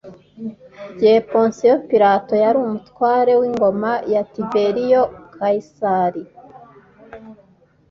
igihe ponsiyo pilato yari umutware w ingoma ya tiberiyo kayisari